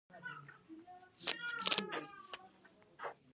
دوي خپل ټول زامن پۀ لرې لرې کلو کښې